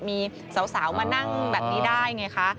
มีสาวมานั่งแบบนี้ได้ไงคะ